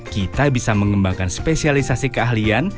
kita bisa mengembangkan spesialisasi keahlian